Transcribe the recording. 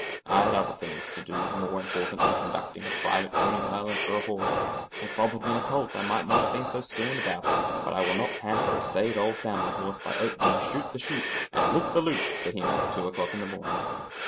I had other things to do more important than conducting a private Coney Island for a horse. If Bob had been a colt I might not have been so stern about it, but I will not pamper a staid old family horse by operating shoot the chutes and loop the loops for him at two o'clock in the morning.